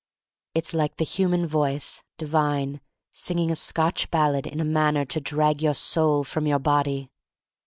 It's like the human voice divine sing ing a Scotch ballad in a manner to drag your soul from your body.